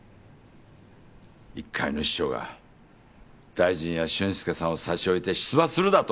一介の秘書が大臣や俊介さんを差し置いて出馬するだと？